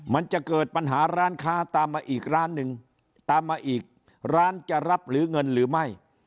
มันจะเกิดปัญหาร้านค้าตามมาอีกร้านหนึ่งตามมาอีกร้านจะรับหรือเงินหรือไม่